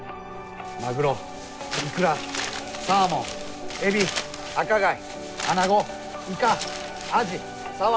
マグロイクラサーモンエビ赤貝穴子イカアジサワライワシウナギ。